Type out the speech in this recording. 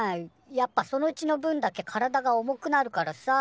やっぱその血の分だけ体が重くなるからさ。